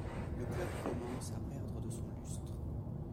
Le club commence à perdre de son lustre.